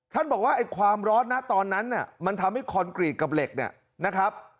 บอกว่าไอ้ความร้อนนะตอนนั้นมันทำให้คอนกรีตกับเหล็กเนี่ยนะครับ